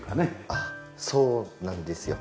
ああそうなんですよ。